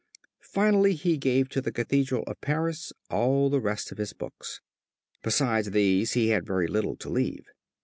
Finally he gave to the Cathedral of Paris all the rest of his books. Besides these he had very little to leave.